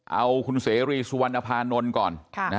เอาคุณเสรีสุวรรณภานนท์ก่อน